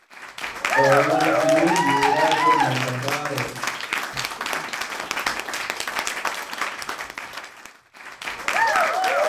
Oo laati nun yeyrajo mo gabaare.